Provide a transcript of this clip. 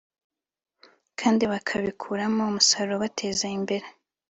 kandi bakabikuramo umusaruro ubateza imbere